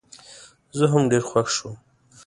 زه هم ډېر خوښ شوم.